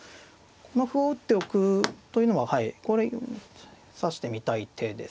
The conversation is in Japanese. この歩を打っておくというのは指してみたい手ですね。